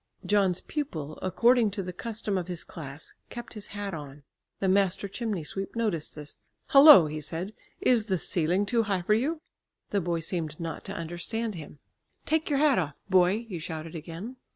John's pupil, according to the custom of his class, kept his hat on. The master chimney sweep noticed this. "Hullo!" he said, "is the ceiling too high for you?" The boy seemed not to understand him. "Take your hat off, boy!" he shouted again.